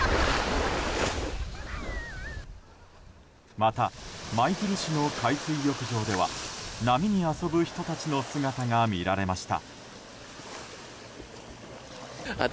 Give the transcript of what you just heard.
また、舞鶴市の海水浴場では波に遊ぶ人たちの姿が見られました。